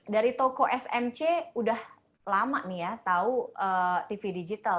dari toko smc sudah lama tahu tv digital